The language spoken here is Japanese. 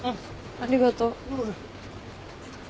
ありがとう。